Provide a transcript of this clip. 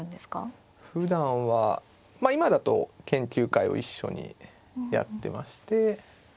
ふだんはまあ今だと研究会を一緒にやってまして。